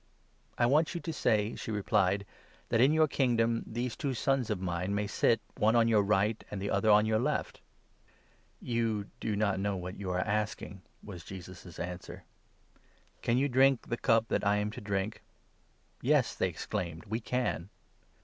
21 " I want you to say," she replied, "that in your Kingdom these two sons of mine may sit, one on your right, and the other on your left." " You do not know what you are asking," was Jesus' answer. 22 " Can you drink the cup that I am to drink ?"" Yes," they exclaimed, "we can."